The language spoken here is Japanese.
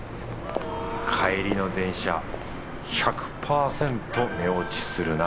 帰りの電車１００％寝落ちするな